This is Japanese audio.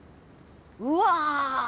うわ。